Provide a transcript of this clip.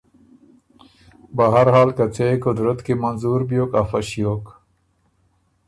بهر حال که څه يې قدرت کی منظور بیوک افۀ ݭیوک،